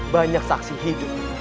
banyak saksi hidup